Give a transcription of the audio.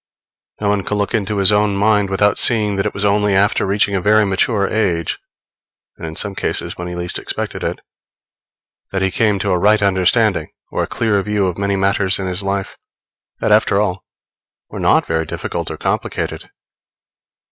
No one can look into his own mind without seeing that it was only after reaching a very mature age, and in some cases when he least expected it, that he came to a right understanding or a clear view of many matters in his life, that, after all, were not very difficult or complicated.